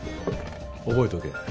覚えておけ。